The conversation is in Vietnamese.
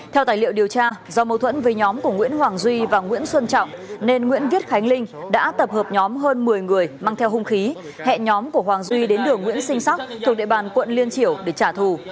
theo tài liệu điều tra do mâu thuẫn với nhóm của nguyễn hoàng duy và nguyễn xuân trọng nên nguyễn viết khánh linh đã tập hợp nhóm hơn một mươi người mang theo hung khí hẹn nhóm của hoàng duy đến đường nguyễn sinh sắc thuộc địa bàn quận liên triểu để trả thù